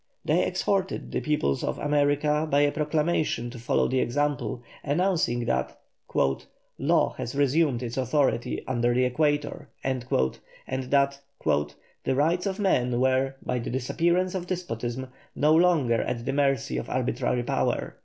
They exhorted the peoples of America by a proclamation to follow the example, announcing that "law has resumed its authority under the equator," and that "the rights of man were, by the disappearance of despotism, no longer at the mercy of arbitrary power."